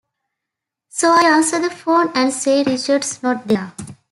So I answer the phone and say Richard's not here.